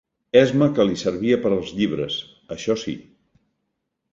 Esma que li servia per als llibres, això sí